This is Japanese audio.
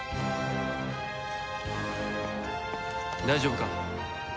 大丈夫か？